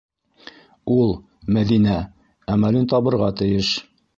Ул, Мәҙинә, әмәлен табырға тейеш!